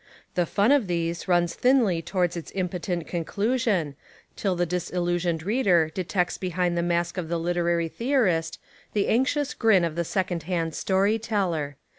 The fun of these runs thinly towards Its impotent con clusion, till the disillusioned reader detects be hind the mask of the literary theorist the anx ious grin of the second hand story teller.